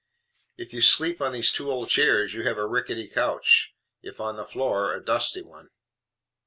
"If you sleep on these two old chairs you have a rickety couch; if on the floor, a dusty one."